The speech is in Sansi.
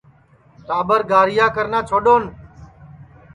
ٹاٻر گاریا کرنا چھوڈؔون